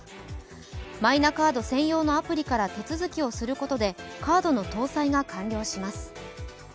マイナカード専用のアプリから手続きをすることでカードの搭載が完了します。